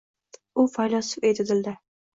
U faylasuf edi, dilda